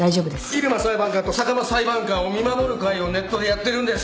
入間裁判官と坂間裁判官を見守る会をネットでやってるんです。